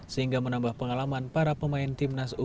sehingga menambah pengalaman para pemain timnas u sembilan belas